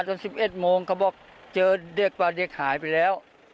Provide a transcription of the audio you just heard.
รถไถรถไถอยู่ไล่เขานั่น